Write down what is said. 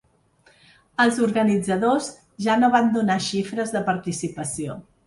Els organitzadors ja no van donar xifres de participació.